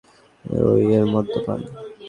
ওর ওই মদ্যপান।